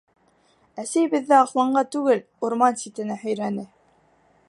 Әсәй беҙҙе аҡланға түгел, урман ситенә һөйрәне.